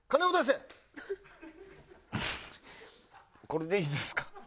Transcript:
これでいいですか？